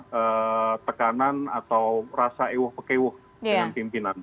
tidak di bawah tekanan atau rasa ewo pekewo dengan pimpinan